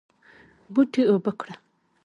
بوټي اوبه کړه